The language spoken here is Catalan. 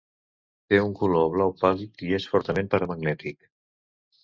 Té un color blau pàl·lid i és fortament paramagnètic.